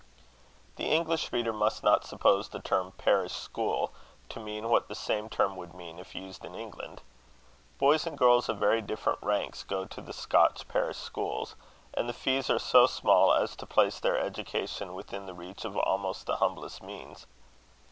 The English reader must not suppose the term parish school to mean what the same term would mean if used in England. Boys and girls of very different ranks go to the Scotch parish schools, and the fees are so small as to place their education within the reach of almost the humblest means.